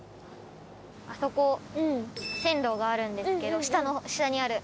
あそこ線路があるんですけど下の下にある。